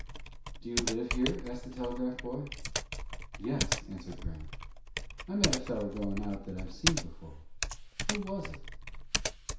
"Do you live here?" asked the telegraph boy. "Yes," answered Grant. "I met a feller goin' out that I've seen before. Who was it?"